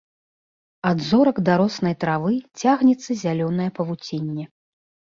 Ад зорак да роснай травы цягнецца зялёнае павуцінне.